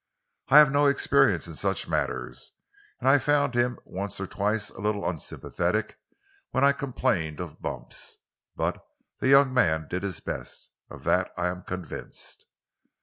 I have no experience in such matters, and I found him once or twice a little unsympathetic when I complained of bumps, but the young man did his best of that I am convinced."